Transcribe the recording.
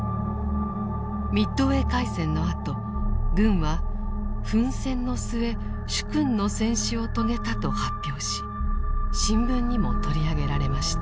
ミッドウェー海戦のあと軍は奮戦の末殊勲の戦死を遂げたと発表し新聞にも取り上げられました。